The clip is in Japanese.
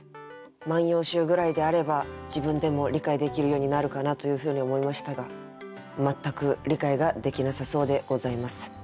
「万葉集」ぐらいであれば自分でも理解できるようになるかなというふうに思いましたが全く理解ができなさそうでございます。